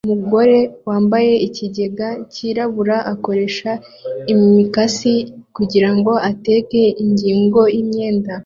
Umugore wambaye ikigega cyirabura akoresha imikasi kugirango akate ingingo yimyenda